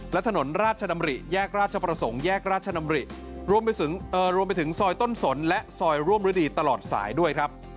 และถนนราชดำริแยกราชประสงค์แยกราชดำริรวมไปถึงซอยต้นสนและซอยร่วมฤดีตลอดสายด้วยครับ